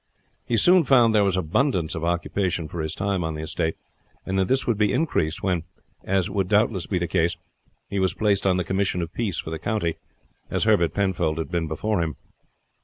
He soon found there was abundance of occupation for his time on the estate, and that this would be increased when, as would doubtless be the case, he was placed on the Commission of Peace for the county, as Herbert Penfold had been before him.